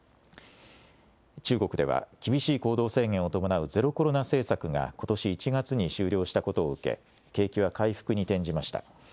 中国では、厳しい行動制限を伴うゼロコロナ政策がことし１月に終了したことを受け、景気は回復に転じました。